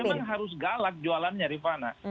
memang harus galak jualannya rifana